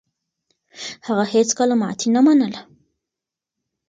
هغه هيڅکله ماتې نه منله.